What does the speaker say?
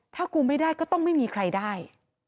ถ้ากูไม่ได้ก็ต้องไม่มีใครได้